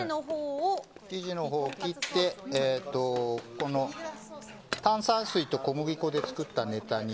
生地のほうを切って炭酸水と小麦粉で作ったネタに。